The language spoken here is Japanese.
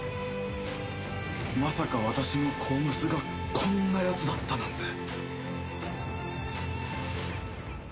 まさか私のコームスがこんなやつだったなんて。